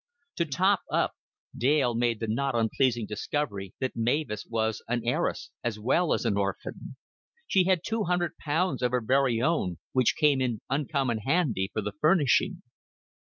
To top up, Dale made the not unpleasing discovery that Mavis was an heiress as well as an orphan. She had two hundred pounds of her very own, "which came in uncommon handy for the furnishing."